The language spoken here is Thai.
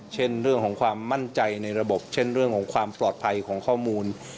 เช่นเรื่องของความมั่นใจในระบบเช่นเรื่องของความปลอดภัยของข้อมูล